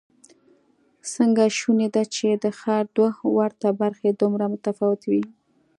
څنګه شونې ده چې د ښار دوه ورته برخې دومره متفاوتې وي؟